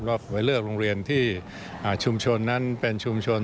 ไปเลือกโรงเรียนที่ชุมชนนั้นเป็นชุมชน